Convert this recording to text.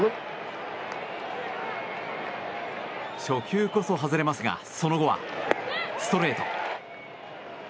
初球こそ外れますがその後は、ストレート。